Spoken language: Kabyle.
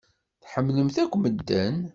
Tḥemmlemt akk medden.